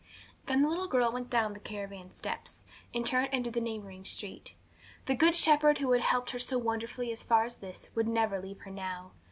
Then the little girl went down the caravan steps, and turned into the neighbouring street. The Good Shepherd who had helped her so wonderfully as far as this would never leave her now.